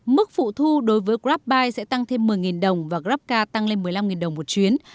mức phụ thu đối với grabbuy sẽ tăng thêm một mươi đồng và grabcar tăng lên một mươi năm đồng một chuyến